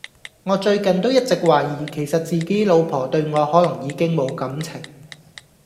我最近都一直懷疑其實自己老婆對我可能已經無感情